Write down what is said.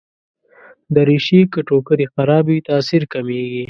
دریشي که ټوکر يې خراب وي، تاثیر کمېږي.